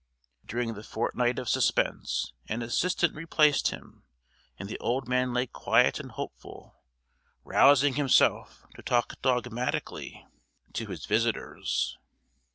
During the fortnight of suspense an assistant replaced him, and the old man lay quiet and hopeful, rousing himself to talk dogmatically to his visitors.